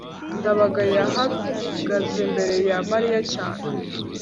ndabaga yahagaze imbere ya mariya cyane